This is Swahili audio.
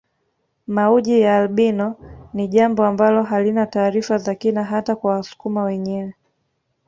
Mauji ya albino ni jambo ambalo halina taarifa za kina hata kwa wasukuma wenyewe